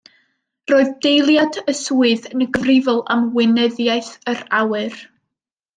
Roedd deiliad y swydd yn gyfrifol am Weinyddiaeth yr Awyr.